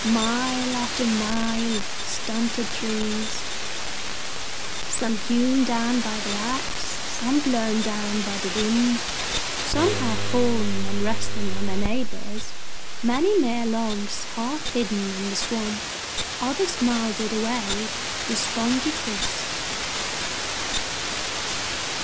Mile after mile of stunted trees: some hewn down by the axe, some blown down by the wind, some half fallen and resting on their neighbours, many mere logs half hidden in the swamp, others mouldered away to spongy chips.